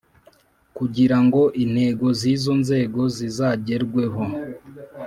kugirango intego z'izo nzego zizagerweho.